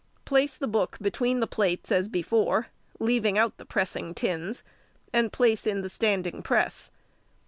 Place the book between the plates as before, leaving out the pressing tins, and place in the standing press.